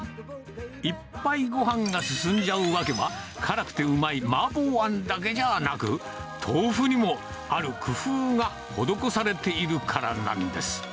いっぱいごはんが進んじゃう訳は、辛くてうまいマーボーあんだけじゃなく、豆腐にも、ある工夫が施されているからなんです。